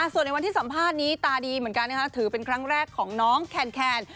ส่วนในวันที่สัมภาษณ์นี้ตาดีเหมือนกันถือเป็นครั้งแรกของน้องแคน